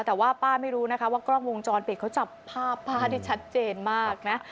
แต่ว่าป้าไม่รู้นะคะว่ากล้องวงจรปิดเขาจับภาพป้าได้ชัดเจนมากนะ